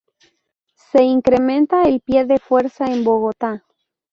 Se incrementa el pie de fuerza en Bogotá.